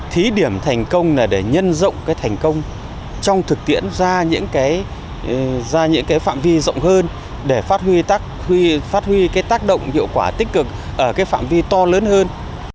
thí điểm thành công là để nhân rộng cái thành công trong thực tiễn ra những cái phạm vi rộng hơn để phát huy tác động hiệu quả tích cực ở cái phạm vi to lớn hơn